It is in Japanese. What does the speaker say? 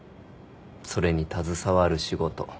それに携わる仕事。